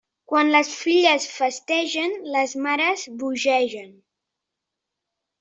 Quan les filles festegen, les mares bogegen.